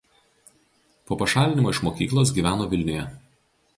Po pašalinimo iš mokyklos gyveno Vilniuje.